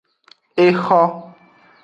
Exo.